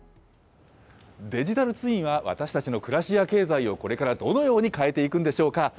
デジタルツインは私たちの暮らしや経済を、これからどのように変えていくんでしょうか。